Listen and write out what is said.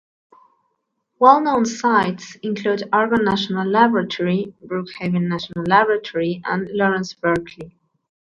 Well-known sites include Argonne National Laboratory, Brookhaven National Laboratory and Lawrence Berkeley.